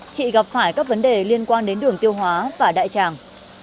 chị gặp phải các vấn đề liên quan đến đường tiêu hóa và đại tràng